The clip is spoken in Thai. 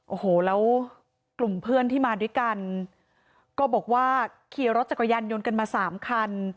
โอ้โหแล้วกลุ่มเพื่อนที่มาด้วยกันก็บอกว่าขี่รถจักรยานยนต์กันมาสามคัน